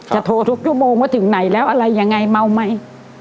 โทรทุกชั่วโมงว่าถึงไหนแล้วอะไรยังไงเมาไหม